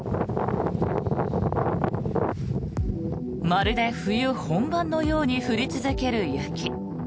まるで冬本番のように降り続ける雪。